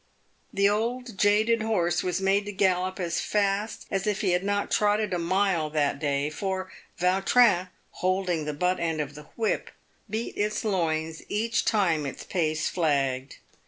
The old jaded horse was made to gallop as fast as if he had not trotted a mile that day, for Vautrin, holding the butt end of the whip, beat its loins each time its pace flagged.